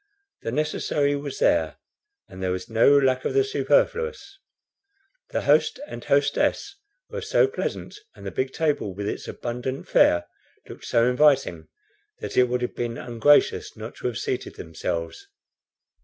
The necessary was there and there was no lack of the superfluous. The host and hostess were so pleasant, and the big table, with its abundant fare, looked so inviting, that it would have been ungracious not to have seated themselves.